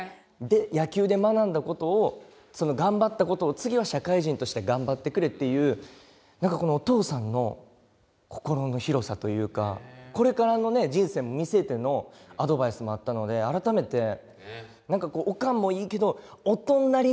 野球で学んだことを頑張ったことを次の社会人として頑張ってくれっていう何かこのお父さんの心の広さというかこれからのね人生も見据えてのアドバイスもあったので改めて何かこうオカンもいいけどオトンなりの優しさを感じましたね。